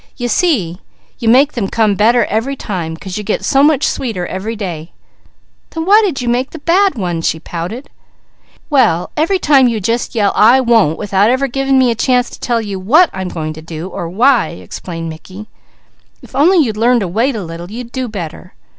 You see, you make them come better every time, 'cause you get so much sweeter every day." "Then why did you make the bad one?" she pouted. "Well every time you just yell 'I won't,' without ever giving me a chance to tell you what I'm going to do, or why," explained Mickey. "If only you'd learn to wait a little, you'd do better.